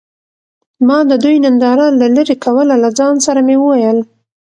ما د دوي ننداره له لرې کوه له ځان سره مې وويل.